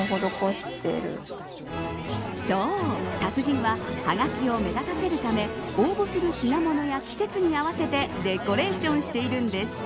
達人ははがきを目立たせるため応募する品物や季節に合わせてデコレーションしているんです。